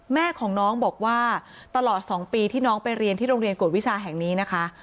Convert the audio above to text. แม่ของน้องบอกว่าตลอด๒ปีที่น้องไปเรียนที่โรงเรียนกวดวิชาแห่งนี้นะคะ